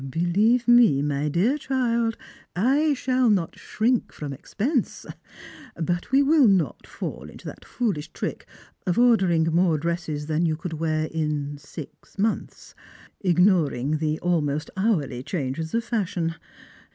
Believe me, my dear child, I shall not shrink from exjDense ; but we will not fall into that foolish trick of ordering more dresses than you could wear in six months, ignoring the almost hourly changes of fashion.